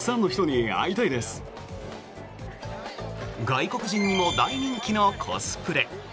外国人にも大人気のコスプレ。